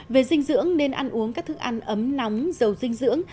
về dinh dưỡng nên ăn uống các thức ăn ấm nóng dầu dinh dưỡng